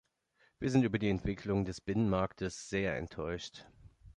Wir sind über die Entwicklung des Binnenmarktes sehr enttäuscht.